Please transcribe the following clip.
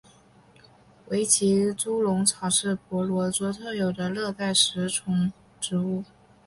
维奇猪笼草是婆罗洲特有的热带食虫植物。